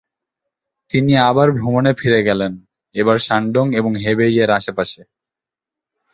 তিনি আবার ভ্রমণে ফিরে গেলেন, এবার শানডং এবং হেবেইয়ের আশেপাশে।